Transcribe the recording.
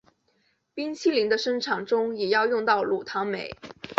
冰淇淋的生产中也要用到乳糖酶。